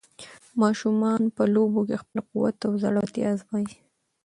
ماشومان په لوبو کې خپل قوت او زړورتیا ازمويي.